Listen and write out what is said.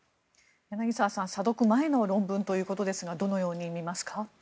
柳澤さん査読前の論文ということですがどのように見ますか？